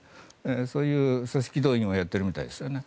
そういう組織動員をやっているみたいですよね。